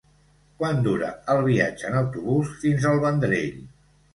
Quant dura el viatge en autobús fins al Vendrell?